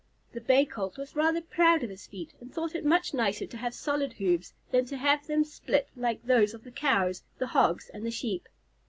The Bay Colt was rather proud of his feet, and thought it much nicer to have solid hoofs than to have them split, like those of the Cows, the Hogs, and the Sheep.